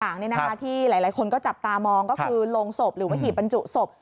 อย่างที่หลายคนก็จับตามองก็คือโรงศพหรือว่าหีบบรรจุศพ